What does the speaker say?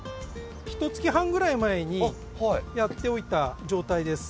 ひとつき半ぐらい前にやっておいた状態です。